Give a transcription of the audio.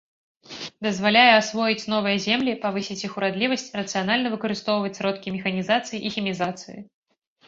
Дазваляе асвоіць новыя землі, павысіць іх урадлівасць, рацыянальна выкарыстоўваць сродкі механізацыі і хімізацыі.